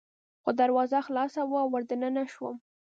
خو دروازه خلاصه وه، ور دننه شوم.